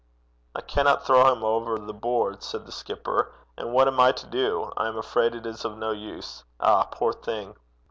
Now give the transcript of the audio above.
'I cannot throw him over the board,' said the skipper; 'and what am I to do? I am afraid it is of no use. Ah! poor thing!'